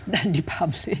dan di publish